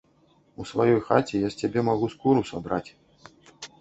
У сваёй хаце я з цябе магу скуру садраць.